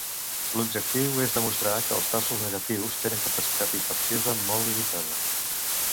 L'objectiu és demostrar que els falsos negatius tenen capacitat infecciosa molt limitada.